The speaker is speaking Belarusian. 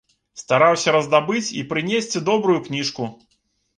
Стараўся раздабыць і прынесці добрую кніжку.